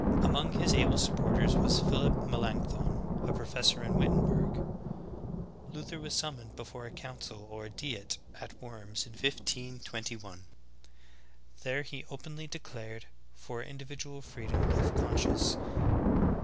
Among his able supporters was Phillip Melancthon, a professor in Wittenberg. Luther ,vas sum moned before a council or ''Diet*' at Worms in 1521, There he openly declared for individual freedom of conscience.